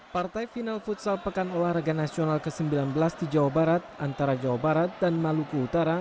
partai final futsal pekan olahraga nasional ke sembilan belas di jawa barat antara jawa barat dan maluku utara